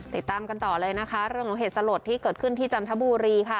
ติดตามกันต่อเลยนะคะเรื่องของเหตุสลดที่เกิดขึ้นที่จันทบุรีค่ะ